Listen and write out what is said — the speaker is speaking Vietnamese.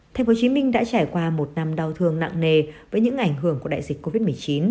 tp hcm đã trải qua một năm đau thương nặng nề với những ảnh hưởng của đại dịch covid một mươi chín